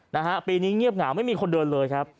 นะฮะปีนี้เงียบเหงาไม่มีคนเดินเลยครับ